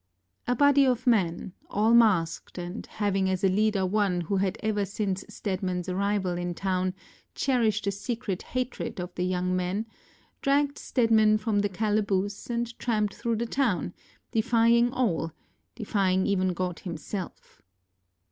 A body of men, all masked, and having as a leader one who had ever since StedmanŌĆÖs arrival in town, cherished a secret hatred of the young man, dragged Stedman from the calaboose and tramped through the town, defying all, defying even God himself.